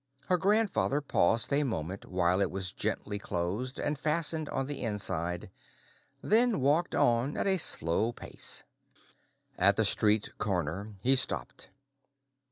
Her grandfather paused a moment while it was gently closed and fastened on the inside, and then walked on at a slow pace. At the street corner he stopped.